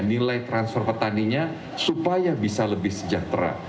nilai transfer petaninya supaya bisa lebih sejahtera